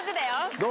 どう？